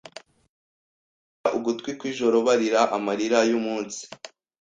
Bakubita ugutwi kwijoro Barira amarira yumunsi